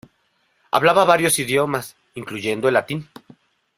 Hablaba varios idiomas, incluyendo el latín.